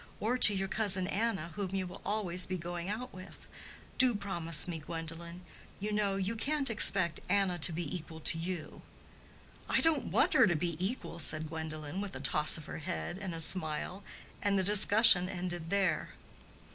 or to your cousin Anna, whom you will always be going out with. Do promise me, Gwendolen. You know, you can't expect Anna to be equal to you." "I don't want her to be equal," said Gwendolen, with a toss of her head and a smile, and the discussion ended there.